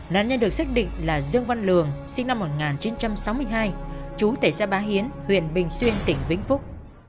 nạn nhân được xác định là dương văn lường sinh năm một nghìn chín trăm sáu mươi hai chú tệ xã bá hiến huyện bình xuyên tỉnh vĩnh phúc